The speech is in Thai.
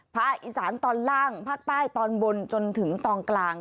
ภาคอีสานตอนล่างภาคใต้ตอนบนจนถึงตอนกลาง